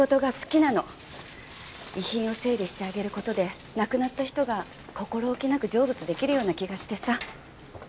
遺品を整理してあげる事で亡くなった人が心置きなく成仏できるような気がしてさ。